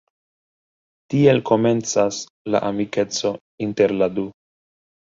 Tiel komencas la amikeco inter la du.